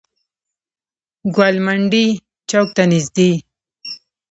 ګوالمنډۍ چوک ته نزدې.